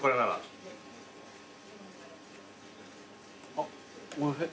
あっおいしい。